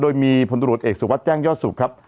โดยมีพลตรวจเอกสุวัสดิแจ้งยอดสุขครับ